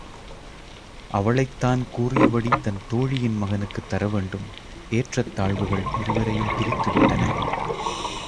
அவளைத் தான் கூறியபடி தன் தோழியின் மகனுக்குத் தரவேண்டும் ஏற்றத் தாழ்வுகள் இருவரையும் பிரித்து விட்டன.